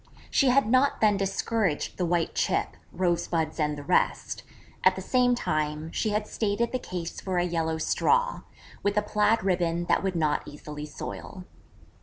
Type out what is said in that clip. She had not then discouraged the white chip, rosebuds and the rest; at the same time, she had stated the case for a yellow straw, with a plaid ribbon that would not easily soil.